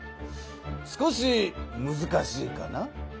少しむずかしいかな？